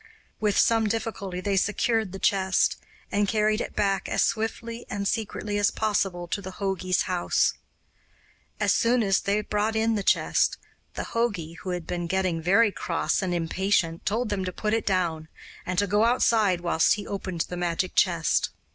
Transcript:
With some difficulty they secured the chest, and carried it back as swiftly and secretly as possible to the jogi's house. As soon as they brought in the chest, the jogi, who had been getting very cross and impatient, told them to put it down, and to go outside whilst he opened the magic chest.